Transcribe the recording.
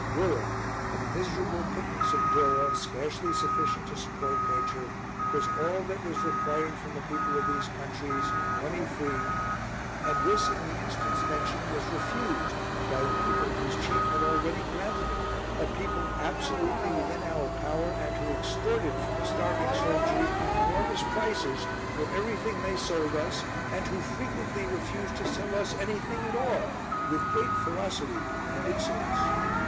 Durra a miserable pittance of durra, scarcely sufficient to support nature, was all that was required from the people of these countries, money free; and this, in the instance mentioned, was refused by a people whose chief had already granted it a people absolutely within our power, and who extorted from the starving soldiery enormous prices for every thing they sold us, and who frequently refused to sell us any thing at all with great ferocity and insolence.